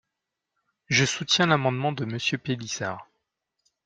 Je soutiens l’amendement de Monsieur Pélissard.